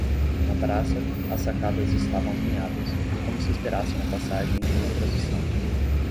Na praça, as sacadas estavam apinhadas, como se esperassem a passagem de uma procissão.